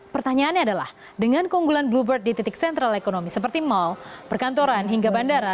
pertanyaannya adalah dengan keunggulan bluebird di titik sentral ekonomi seperti mall perkantoran hingga bandara